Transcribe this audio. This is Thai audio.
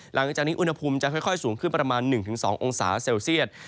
หลังจากนี้อุณหภูมิจะค่อยสูงขึ้นประมาณ๑๒องศาเซลเซียต